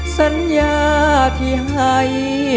สัญญาที่ให้